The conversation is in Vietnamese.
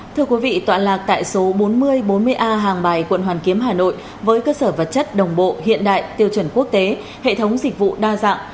thưa quý vị tọa lạc tại số bốn nghìn bốn mươi a hàng bài quận hoàn kiếm hà nội với cơ sở vật chất đồng bộ hiện đại tiêu chuẩn quốc tế hệ thống dịch vụ đa dạng